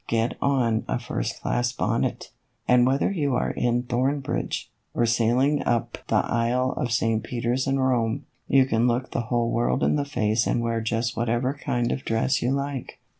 Get on a first class bonnet, and whether you are in Thornbridge, or sailing up the aisle of St. Peter's in Rome, you can look the whole world in the face and wear just whatever kind of dress you like."